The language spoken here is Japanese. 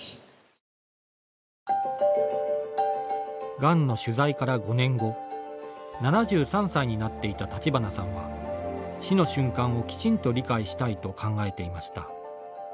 がんの取材から５年後７３歳になっていた立花さんは死の瞬間をきちんと理解したいと考えていました。